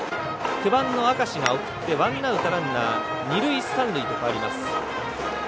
９番の明石が送ってワンアウトランナー、二塁三塁と変わります。